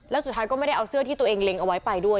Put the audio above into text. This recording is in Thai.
แล้วสุดท้ายก็ไม่ได้เอาเสื้อที่ตัวเองเล็งเอาไว้ไปด้วย